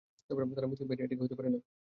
তারা মুসলিম বাহিনী এটা কি হতে পারে না?